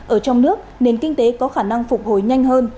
ở trong nước nền kinh tế có khả năng phục hồi nhanh hơn